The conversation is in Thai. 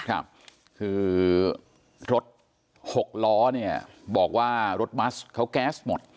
คือรถหกล้อเนี่ยบอกว่ารถบัสเขาแก๊สหมด